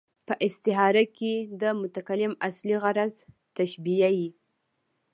په استعاره کښي د متکلم اصلي غرض تشبېه يي.